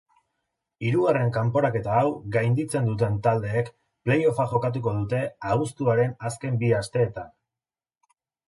Hirugarren kanporaketa hau gainditzen duten taldeek play-offa jokatuko dute abuztuaren azken bi asteetan.